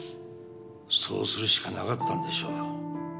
そうするしかなかったんでしょう。